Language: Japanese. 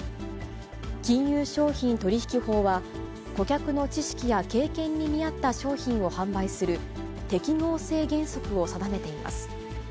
金融商品取引法は、顧客の知識や経験に見合った商品を販売する、適合性原則を定めています。